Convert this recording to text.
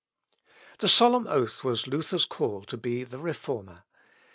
This solemn oath was Luther's call to be the Reformer.